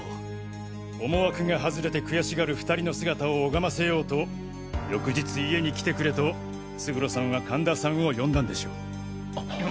思惑が外れて悔しがる２人の姿を拝ませようと翌日家に来てくれと勝呂さんは神田さんを呼んだんでしょう。